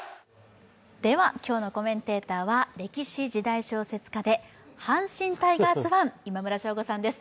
今日のコメンテーターは歴史・時代小説家で阪神タイガースファン、今村翔吾さんです。